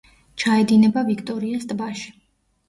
ჩაედინება ვიქტორიას ტბაში.